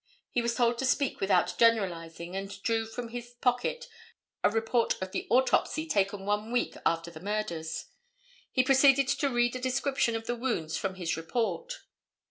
He was told to speak without generalizing and drew from his pocket a report of the autopsy taken one week after the murders. He proceeded to read a description of the wounds from his report.